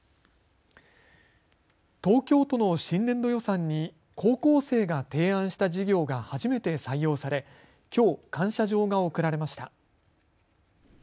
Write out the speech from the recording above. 東京都の新年度予算に高校生が提案した事業が初めて採用されきょう、感謝状が贈られました。